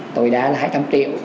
tối đa là hai trăm linh triệu